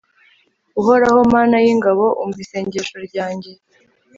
uhoraho, mana y'ingabo, umva isengesho ryanjye